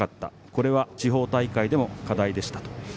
これは地方大会でも課題でしたと。